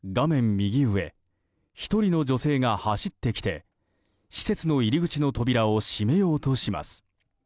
右上１人の女性が走ってきて施設の入り口の扉を閉めようとします。